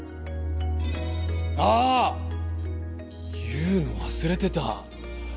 言うの忘れてた！